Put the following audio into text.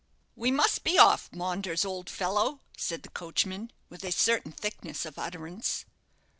"We must be off, Maunders, old fellow," said the coachman, with a certain thickness of utterance.